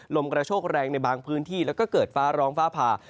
ลมกระโชกแรงในบางพื้นที่แล้วก็เกิดฟ้าร้องฟ้าผ่า